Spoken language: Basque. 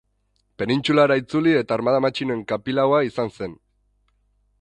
Penintsulara itzuli eta armada matxinoen kapilaua izan zen.